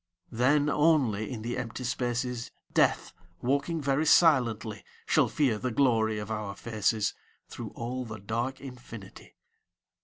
Then only in the empty spaces, Death, walking very silently, Shall fear the glory of our faces Through all the dark infinity.